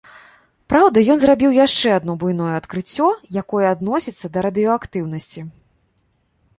Праўда, ён зрабіў яшчэ адно буйное адкрыццё, якое адносіцца да радыеактыўнасці.